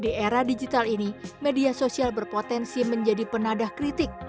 di era digital ini media sosial berpotensi menjadi penadah kritik